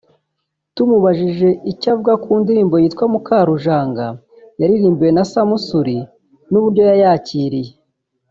tumubajije icyo avuga ku ndirimbo yitwa ‘Mukarujanga’ yaririmbiwe na Samusure n’uburyo yayakiriye